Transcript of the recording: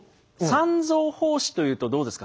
三蔵法師というとどうですか？